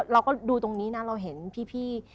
เราก็ดูตรงนี้นะเราเห็นพี่